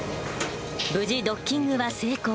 無事ドッキングは成功。